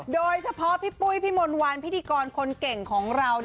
โดยเฉพาะพี่ปุ้ยพี่มนต์วันพิธีกรคนเก่งของเรา